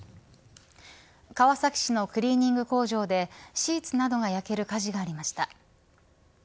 川崎市のクリーニング工場でシーツなどが焼ける火事がありました。